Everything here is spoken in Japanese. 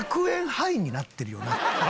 ハイになってるよな。